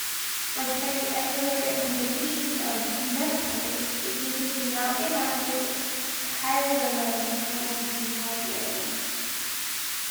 Like many emulator implementations of "NetPlay", it uses the now inactive Kaillera networking library.